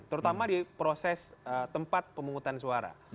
terutama di proses tempat pemungutan suara